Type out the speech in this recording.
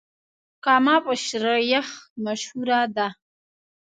کامه په شيريخ مشهوره ده.